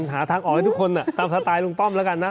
หาทางออกให้ทุกคนตามสไตล์ลุงป้อมแล้วกันนะ